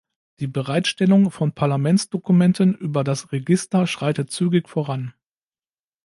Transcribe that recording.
Die Bereitstellung von Parlamentsdokumenten über das Register schreitet zügig voran.